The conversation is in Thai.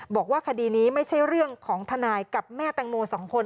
บอกว่าคดีนี้ไม่ใช่เรื่องของทนายกับแม่แตงโม๒คน